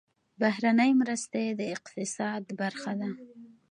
بهرنۍ مرستې د اقتصاد برخه ده